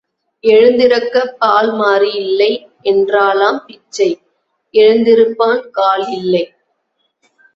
எழுந்திருக்கப் பால் மாறி இல்லை என்றாளாம் பிச்சை, எழுந்திருப்பான் கால் இல்லை.